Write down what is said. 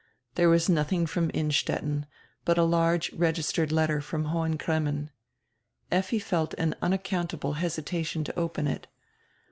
There was nothing from Innstet ten, but a large registered letter from Hohen Cremmen. Effi felt an unaccountable hesitation to open it.